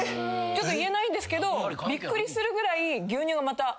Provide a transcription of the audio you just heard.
言えないんですけどびっくりするぐらい牛乳がまた。